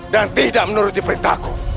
dan tidak menuruti perintahku